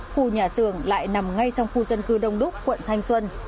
khu nhà xưởng lại nằm ngay trong khu dân cư đông đúc quận thanh xuân